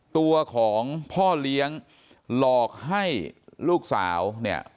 ตัวของพ่อเลี้ยงหลอกให้ลูกสาวเนี่ย